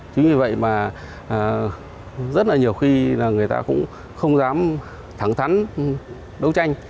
chính vì vậy rất nhiều khi người ta cũng không dám thắng thắn đấu tranh